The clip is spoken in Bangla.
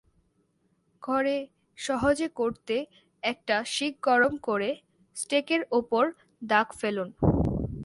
ঘরে সহজে করতে একটা শিক গরম করে স্টেকের ওপর দাগ ফেলুন।